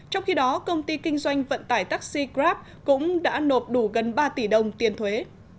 trong khi đó công ty kinh doanh vận tải taxi grab cũng đã nộp đủ gần ba tỷ đồng tiền thuế